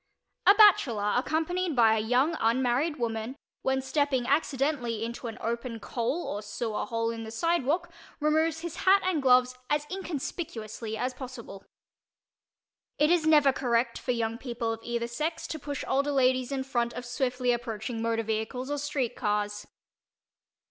A bachelor, accompanied by a young unmarried woman, when stepping accidentally into an open coal or sewer hole in the sidewalk, removes his hat and gloves as inconspicuously as possible. It is never correct for young people of either "sex" to push older ladies in front of swiftly approaching motor vehicles or street cars.